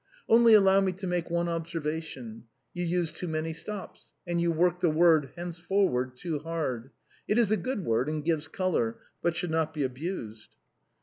Only allow me to make one observation: you use too may stops, and you work the word henceforward too hard. It is a good word, and gives color, but should not be abused."